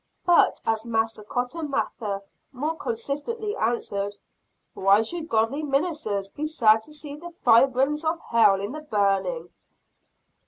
But, as Master Cotton Mather more consistently answered: "Why should godly ministers be sad to see the firebrands of hell in the burning."